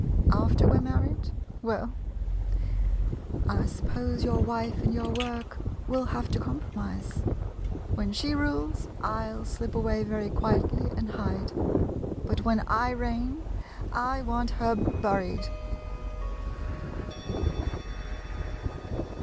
After we 're married ? Well — I suppose your wife and your work will have to compromise. When she rules, I '11 slip away very quietly, and hide — but when I reign, I want her buried!